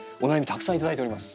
たくさん頂いております。